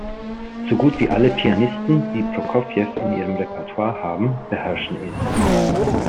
So gut wie alle Pianisten, die Prokofjew in ihrem Repertoire haben, beherrschen es.